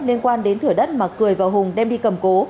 liên quan đến thửa đất mà cười và hùng đem đi cầm cố